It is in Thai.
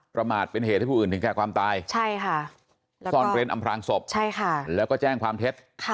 ประมาทเป็นเหตุให้ผู้อื่นถึงแก่ความตายใช่ค่ะซ่อนเร้นอำพลางศพแล้วก็แจ้งความเท็จ